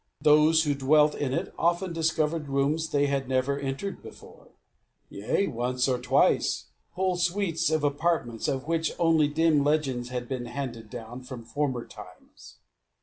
Those who dwelt in it often discovered rooms they had never entered before yea, once or twice, whole suites of apartments, of which only dim legends had been handed down from former times.